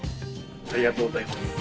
ありがとうございます。